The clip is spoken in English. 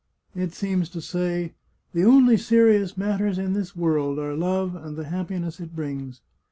It seems to say, ' The only serious matters in this world are love and the happiness it brings.'